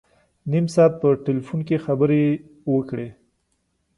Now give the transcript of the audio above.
نیم ساعت په ټلفون کې خبري وکړې.